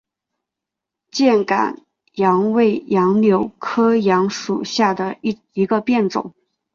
箭杆杨为杨柳科杨属下的一个变种。